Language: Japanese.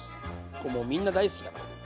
これもうみんな大好きだからね。